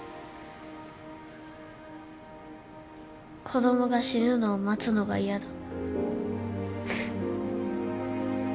子供が死ぬのを待つのが嫌だ。